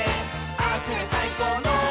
「ああすりゃさいこうの」